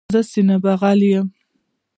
زه سینه بغل یم.